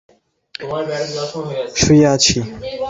মূর্ছাভঙ্গে দেখিলাম, আমার ঘরে বিছানায় শুইয়া আছি।